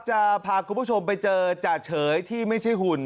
จะพาคุณผู้ชมไปเจอจ่าเฉยที่ไม่ใช่หุ่น